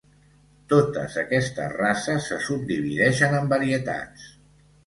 Totes aquestes races se subdivideixen en varietats.